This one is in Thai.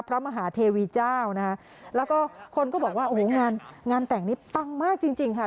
พระมหาเทวีเจ้านะคะแล้วก็คนก็บอกว่าโอ้โหงานงานแต่งนี้ปังมากจริงจริงค่ะ